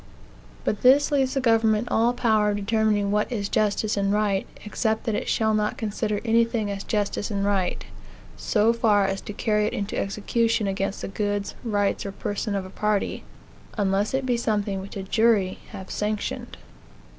But this leaves the government all power of determining what is justice and right, except that it shall not consider anything as justice and right so far as to carry it into execution against the goods, rights, or person of a party unless it be something which a jury have sanctioned.